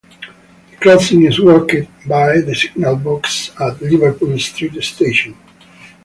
The crossing is worked by the signal box at Liverpool Street station.